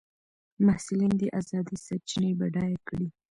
محصلین دي ازادې سرچینې بډایه کړي.